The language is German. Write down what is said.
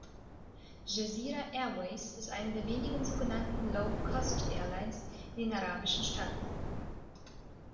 Jazeera Airways ist eine der wenigen sogenannten „Low-Cost-Airlines“ in den arabischen Staaten.